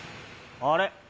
あれ？